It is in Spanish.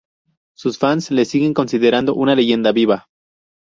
Sus fanes le siguen considerando una leyenda viva.